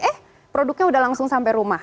eh produknya udah langsung sampai rumah